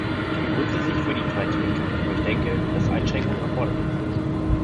Ich bin grundsätzlich für die Freizügigkeit, aber ich denke, dass Einschränkungen erforderlich sind.